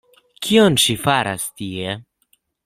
Kion ŝi faras tie?